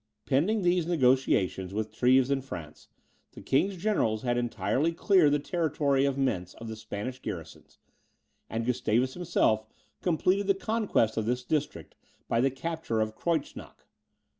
Pending these negociations with Treves and France, the king's generals had entirely cleared the territory of Mentz of the Spanish garrisons, and Gustavus himself completed the conquest of this district by the capture of Kreutznach.